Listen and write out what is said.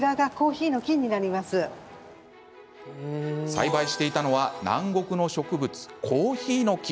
栽培していたのは南国の植物、コーヒーの木。